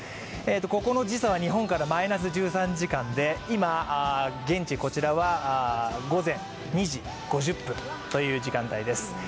ここの時差は日本からマイナス１３時間で今、現地こちらは午前２時５０分という時間帯です。